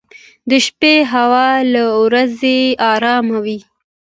• د شپې هوا له ورځې ارام وي.